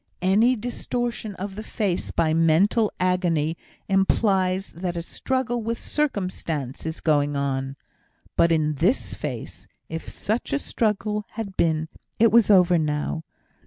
Any distortion of the face by mental agony implies that a struggle with circumstance is going on. But in this face, if such struggle had been, it was over now.